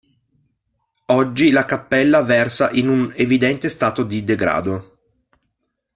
Oggi la cappella versa in un evidente stato di degrado.